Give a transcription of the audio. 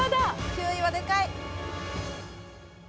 ９位はでかい。